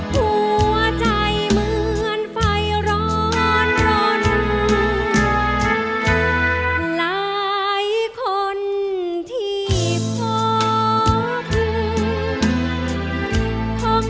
หัวใจเหมือนไฟร้อนรนหลายคนที่พอพื้น